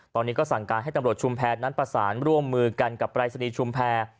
ตอนนี้ก็สั่งการให้ตำรวจชุมแพรนั้นประสานร่วมมือกันกับปรายศนีย์ชุมแพร